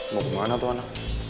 mbak ulan atau apa